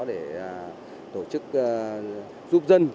để tổ chức giúp dân